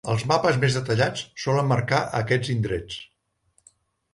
Els mapes més detallats solen marcar aquests indrets.